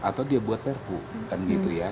atau dia buat perpu kan gitu ya